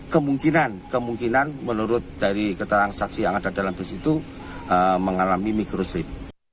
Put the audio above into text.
kemungkinan kemungkinan menurut dari keterangan saksi yang ada dalam bus itu mengalami mikrosif